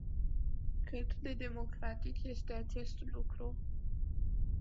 Cât de democratic este acest lucru?